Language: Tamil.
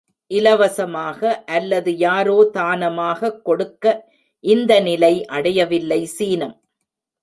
இலவசமாக, அல்லது யாரோ தானமாகக் கொடுக்க இந்தநிலை அடையவில்லை சீனம்.